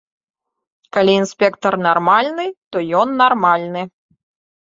Калі інспектар нармальны, то ён нармальны.